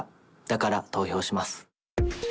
だから投票します。